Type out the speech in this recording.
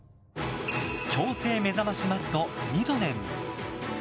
強制目覚ましマット、ニドネン。